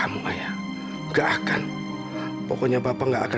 aacho jangan liksom jangan kasih bapak bapak disini kepadamu